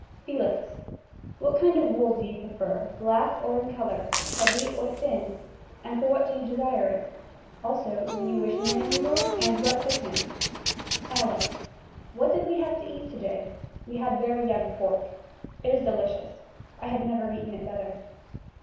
(Felix.) What kind of wool do you prefer black or in color, heavy or thin and for what use do you desire it. Do you also wish knitting needles and what thickness. (Alice.) What did we have to eat today. We had very young pork. It is very delicious. I have never eaten it better.